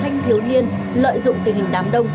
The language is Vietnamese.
không thiếu liên lợi dụng tình hình đám đông